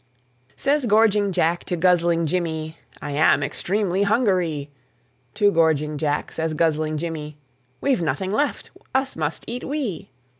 Says gorging Jack to guzzling Jimmy, "I am extremely hungaree." To gorging Jack says guzzling Jimmy, "We've nothing left, us must eat we."